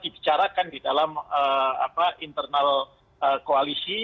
dibicarakan di dalam internal koalisi